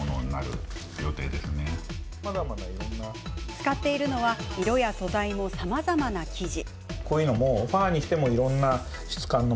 使っているのは、色や素材もさまざまな生地。